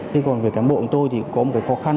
thế còn về cán bộ của tôi thì có một cái khó khăn